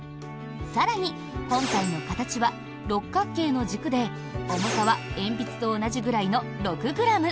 更に本体の形は６角形の軸で重さは鉛筆と同じぐらいの６ｇ。